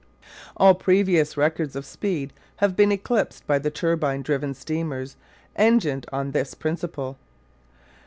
All previous records of speed have been eclipsed by the turbine driven steamers engined on this principle.